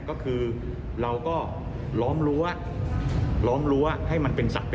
ก็คือเราก็ร้อมรู้ว่า